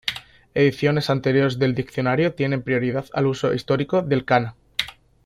Ediciones anteriores del diccionario tienen prioridad al uso histórico del kana.